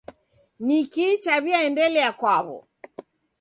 Nikii chaw'iaendelia kwaw'o?